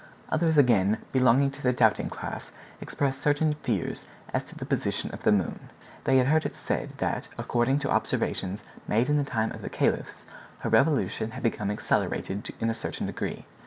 Others again, belonging to the doubting class, expressed certain fears as to the position of the moon. They had heard it said that, according to observations made in the time of the Caliphs, her revolution had become accelerated in a certain degree.